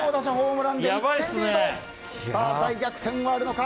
大逆転はあるのか。